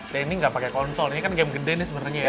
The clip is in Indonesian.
dan ini nggak pakai konsol ini kan game gede sebenarnya ya